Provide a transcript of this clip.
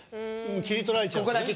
切り取られちゃうからね。